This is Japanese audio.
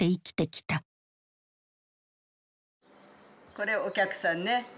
これお客さんね。